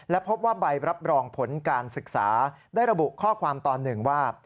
และพบว่าใบรับรองผลการศึกษาได้ระบุข้อความตอนหนึ่งว่า